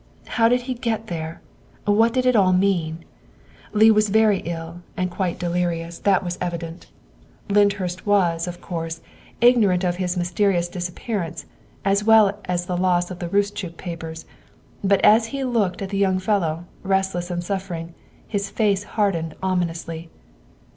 How did he get there ? What did it all mean 1 Leigh was very ill and quite delirious, that was evident. Lynd THE SECRETARY OF STATE 249 hurst was, of course, ignorant of his mysterious disap pearance, as well as of the loss of the Roostchook papers, but as he looked at the young fellow, restless and suf fering, his face hardened ominously.